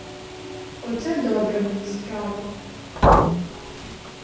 Оце добра мені справа.